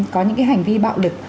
có những cái hành vi bạo lực